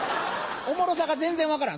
おもろさが全然分からん